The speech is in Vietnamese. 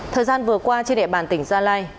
thời gian vừa qua trên địa bàn tỉnh gia lai